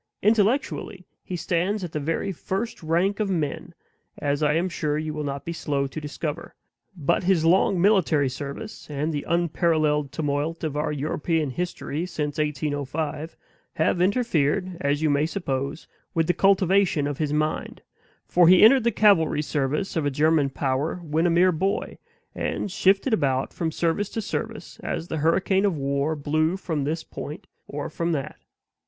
Intellectually he stands in the very first rank of men, as I am sure you will not be slow to discover; but his long military service, and the unparalleled tumult of our European history since 1805, have interfered (as you may suppose) with the cultivation of his mind; for he entered the cavalry service of a German power when a mere boy, and shifted about from service to service as the hurricane of war blew from this point or from that.